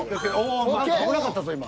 危なかったぞ今。